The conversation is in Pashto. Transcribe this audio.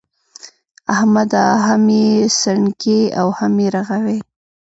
احمده! هم يې سڼکې او هم يې رغوې.